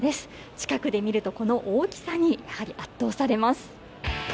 近くで見るとこの大きさに、やはり圧倒されます。